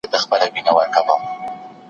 انسان پوهېږي کله د پرېکړو څخه ډډه وکړي.